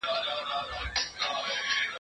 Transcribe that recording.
راښكاره سوې سرې لمبې ياغي اورونه